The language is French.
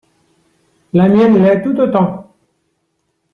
La mienne l’est tout autant.